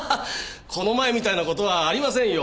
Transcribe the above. この前みたいな事はありませんよ。